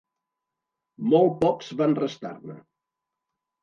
Molt pocs van restar-ne.